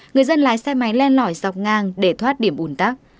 người dân lái xe máy len lỏi dọc ngang để thoát điểm ủn tắc